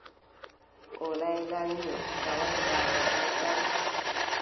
O laylanyoy, tawaay baaba boo sam ;